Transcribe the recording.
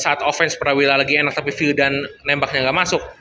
saat offense prawira lagi enak tapi vildan nembaknya gak masuk